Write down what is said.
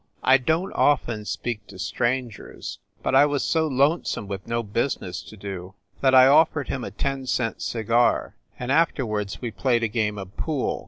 I don t often speak to strangers, but I was so lone some with no business to do, that I offered him a ten cent cigar, and afterwards we played a game of pool.